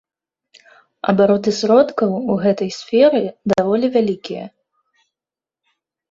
Абароты сродкаў у гэтай сферы даволі вялікія.